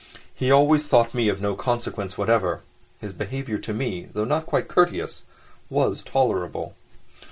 He always thought me of no consequence whatever; his behaviour to me, though not quite courteous, was tolerable.